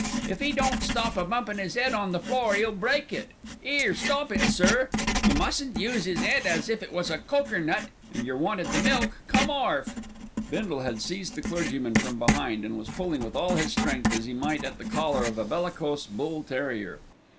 "If 'e don't stop a bumpin' 'is 'ead on the floor 'e'll break it. 'Ere, stop it, sir. Yer mustn't use 'is 'ead as if it was a cokernut and yer wanted the milk. Come orf!" Bindle had seized the clergyman from behind, and was pulling with all his strength as he might at the collar of a bellicose bull terrier.